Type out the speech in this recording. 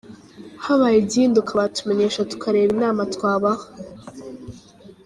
Habaye igihinduka batumenyesha tukareba inama twabaha.